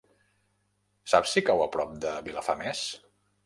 Saps si cau a prop de Vilafamés?